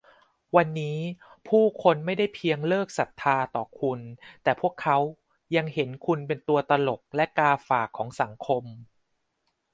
วันนี้ผู้คนไม่ได้เพียงเลิกศรัทธาต่อคุณ แต่พวกเขายังเห็นคุณเป็นตัวตลกและกาฝากของสังคม